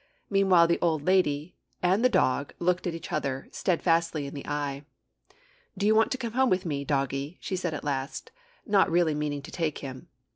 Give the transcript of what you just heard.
Meanwhile the old lady and the dog looked each other steadfastly in the eye. 'Do you want to come with me, doggie?' she said at last, not really meaning to take him.